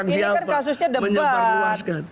ini kan kasusnya debat